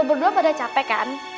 lo berdua pada capek kan